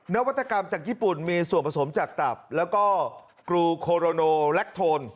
นวัตกรรมจากญี่ปุ่นมีส่วนผสมจากตับแล้วก็กรูโคโรโนแลคโทน